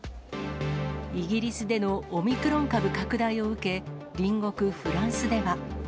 イギリスでのオミクロン株拡大を受け、隣国フランスでは。